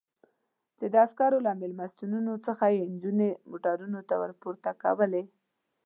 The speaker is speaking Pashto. چې د عسکرو له مېلمستونونو څخه یې نجونې موټرونو ته ور پورته کولې.